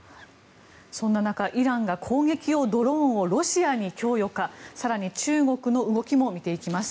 そんな中、イランが攻撃用ドローンをロシアに供与か更に、中国の動きも見ていきます。